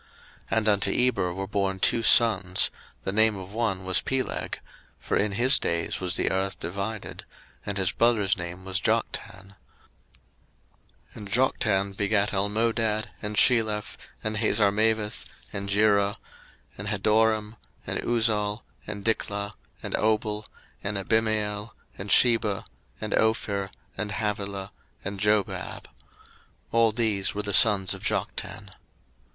01:010:025 And unto Eber were born two sons: the name of one was Peleg; for in his days was the earth divided; and his brother's name was Joktan. 01:010:026 And Joktan begat Almodad, and Sheleph, and Hazarmaveth, and Jerah, 01:010:027 And Hadoram, and Uzal, and Diklah, 01:010:028 And Obal, and Abimael, and Sheba, 01:010:029 And Ophir, and Havilah, and Jobab: all these were the sons of Joktan.